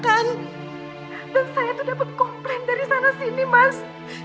dan saya tuh dapet komplain dari sana sini mas